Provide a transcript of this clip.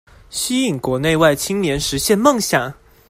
吸引國內外青年實現夢想